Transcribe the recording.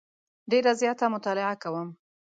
ډېره زیاته مطالعه کوله.